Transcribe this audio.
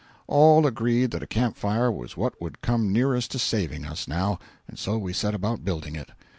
All agreed that a camp fire was what would come nearest to saving us, now, and so we set about building it.